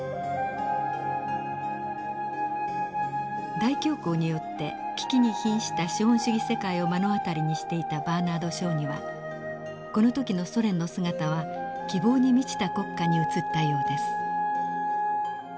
大恐慌によって危機に瀕した資本主義世界を目の当たりにしていたバーナード＝ショーにはこの時のソ連の姿は希望に満ちた国家に映ったようです。